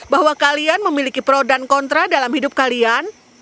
bahwa kalian memiliki pro dan kontra dalam hidup kalian